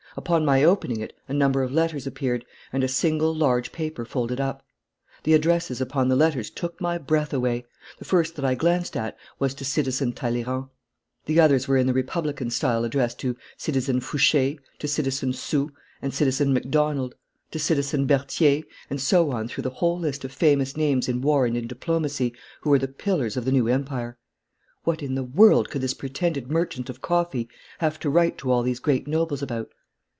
Upon my opening it a number of letters appeared, and a single large paper folded up. The addresses upon the letters took my breath away. The first that I glanced at was to Citizen Talleyrand. The others were in the Republican style addressed to Citizen Fouche, to Citizen Soult, to Citizen MacDonald, to Citizen Berthier, and so on through the whole list of famous names in war and in diplomacy who were the pillars of the new Empire. What in the world could this pretended merchant of coffee have to write to all these great notables about?